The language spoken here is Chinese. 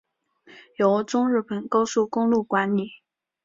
由中日本高速公路管理。